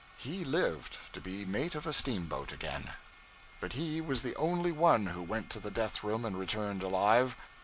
He lived to be mate of a steamboat again. But he was the only one who went to the death room and returned alive.